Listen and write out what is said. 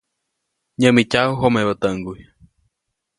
Nyämityaju jomebä täʼŋguy.